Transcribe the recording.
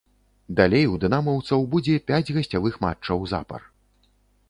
Далей у дынамаўцаў будзе пяць гасцявых матчаў запар.